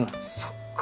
そっか！